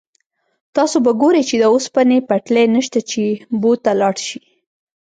تاسو به ګورئ چې د اوسپنې پټلۍ نشته چې بو ته لاړ شئ.